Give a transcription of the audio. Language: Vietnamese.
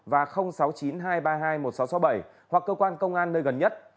chín hai ba bốn năm tám sáu không và sáu chín hai ba hai một sáu sáu bảy hoặc cơ quan công an nơi gần nhất